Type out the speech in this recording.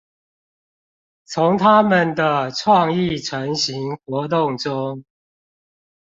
從他們的創意晨型活動中